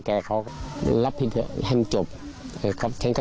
เขาก็ไม่ได้เห็นใจเราหรอก